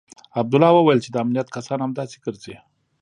عبدالله وويل چې د امنيت کسان همداسې ګرځي.